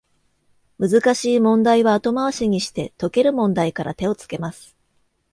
難しい問題は後回しにして、解ける問題から手をつけます